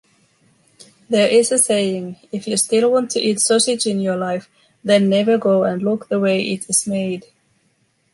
There is a saying, if you still want to eat sausage in your life, then never go and look the way it is made.